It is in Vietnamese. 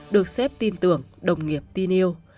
được xếp tin tưởng đồng nghiệp tin yêu